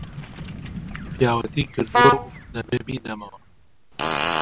پیاوەتی کردووە و دەبێ بیدەمەوە